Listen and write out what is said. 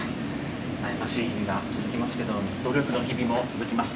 悩ましい日々が続きますけれども、努力の日々も続きます。